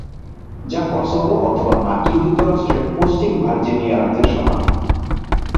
যা কসোভো অথবা মার্কিন যুক্তরাষ্ট্রের পশ্চিম ভার্জিনিয়া রাজ্যর সমান।